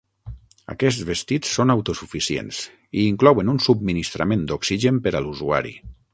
Aquests vestits són autosuficients i inclouen un subministrament d'oxigen per a l'usuari.